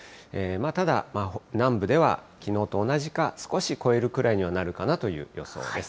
ただ、南部ではきのうと同じか、少し超えるくらいにはなるかなという予想です。